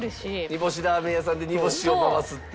煮干しラーメン屋さんで煮干しを回すっていうのがね。